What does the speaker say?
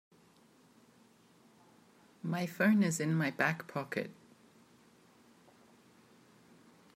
My phone is in my back pocket.